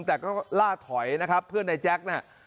แต่ก็ล่าถอยนะครับเพื่อนนายแจ๊คนะฮะ